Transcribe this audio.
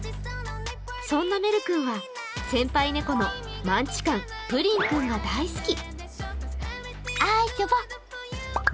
そんなメル君は先輩猫のマンチカン、プリン君が大好き。